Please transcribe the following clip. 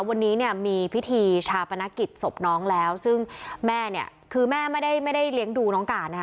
วันนี้เนี่ยมีพิธีชาปนกิจศพน้องแล้วซึ่งแม่เนี่ยคือแม่ไม่ได้ไม่ได้เลี้ยงดูน้องการนะคะ